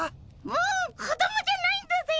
もう子供じゃないんだぜ。